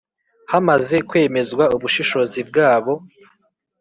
Hamaze kwemezwa ubushobozi bwabo